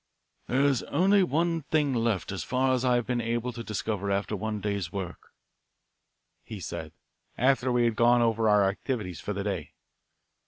"There is only one thing left as far as I have been able to discover after one day's work," he said, after we had gone over our activities for the day.